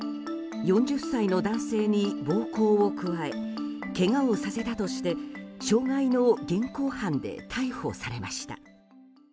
４０歳の男性に暴行を加えけがをさせたとして傷害の現行犯で逮捕されました。